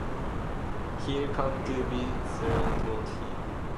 ‘He’ll come to be scragged, won’t he?’